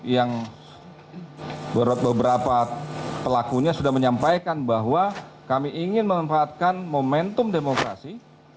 yang beberapa pelakunya sudah menyampaikan bahwa kami ingin memanfaatkan momentum demokrasi